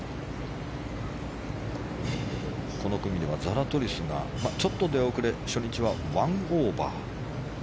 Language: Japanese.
この組では、ザラトリスがちょっと出遅れて初日は１オーバー。